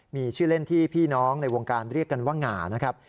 มีชื่อเล่นที่พี่น้องในวงการเรียกกันว่าหงานะครับ